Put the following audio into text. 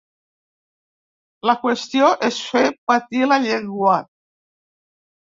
La qüestió és fer patir la llengua.